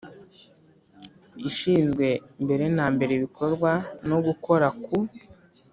Ishinzwe mbere na mbere ibikorwa no gukora ku